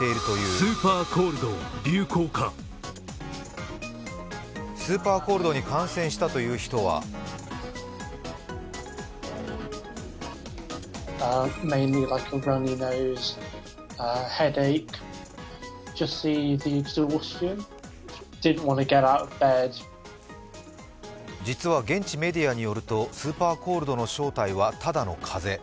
スーパーコールドに感染したという人は実は現地メディアによるとスーパーコールドの正体はただの風邪。